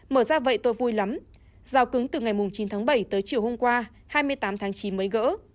mở ra vậy tôi vui lắm giao cứng từ ngày chín tháng bảy tới chiều hôm qua hai mươi tám tháng chín mới gỡ